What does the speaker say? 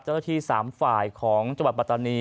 เจ้าหน้าที่๓ฝ่ายของจังหวัดปัตตานี